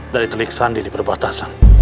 dari telik sandi diperbatasan